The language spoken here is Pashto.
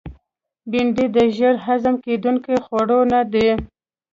بېنډۍ د ژر هضم کېدونکو خوړو نه ده